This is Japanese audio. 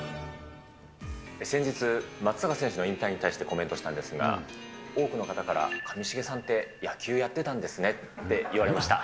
先日、松坂選手の引退に対してコメントしたんですが、多くの方から、上重さんって野球やってたんですねって言われました。